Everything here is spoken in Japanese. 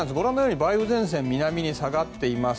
梅雨前線南に下がっています。